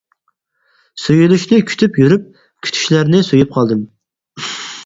سۆيۈلۈشنى كۈتۈپ يۈرۈپ، كۈتۈشلەرنى سۆيۈپ قالدىم.